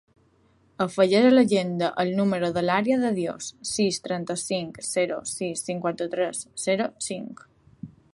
Afegeix a l'agenda el número de l'Arya De Dios: sis, trenta-cinc, zero, sis, cinquanta-tres, zero, cinc.